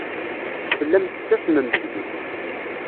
Tellam tettasmem seg-i.